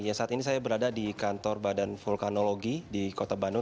ya saat ini saya berada di kantor badan vulkanologi di kota bandung